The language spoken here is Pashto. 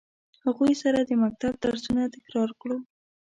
هغوی سره د مکتب درسونه تکرار کړو.